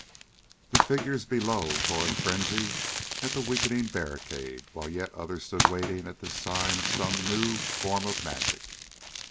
The figures below tore in frenzy at the weakening barricade, while yet others stood waiting at this sign of some new form of magic.